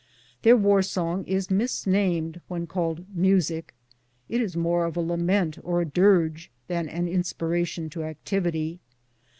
Their war song is misnamed when called music. It is more of a lament or a dirge than an inspiration to activity.